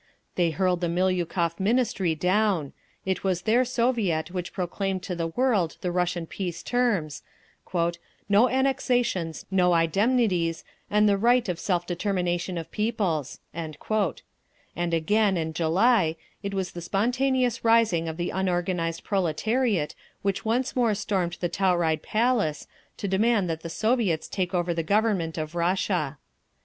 They hurled the Miliukov Ministry down; it was their Soviet which proclaimed to the world the Russian peace terms—"No annexations, no indemnities, and the right of self determination of peoples"; and again, in July, it was the spontaneous rising of the unorganised proletariat which once more stormed the Tauride Palace, to demand that the Soviets take over the Government of Russia.